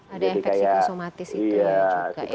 ada efek psikosomatis itu juga ya